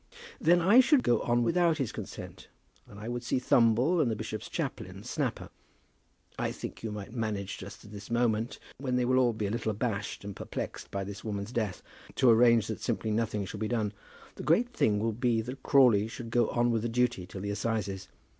"Then I should go on without his consent, and I would see Thumble and the bishop's chaplain, Snapper. I think you might manage just at this moment, when they will all be a little abashed and perplexed by this woman's death, to arrange that simply nothing shall be done. The great thing will be that Crawley should go on with the duty till the assizes.